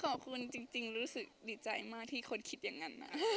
ขอบคุณจริงรู้สึกดีใจมากที่คนคิดอย่างนั้นนะ